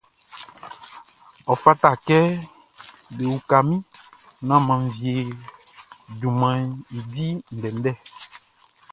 Ɔ fata kɛ be uka min naan mʼan wie junmanʼn i di ndɛndɛ.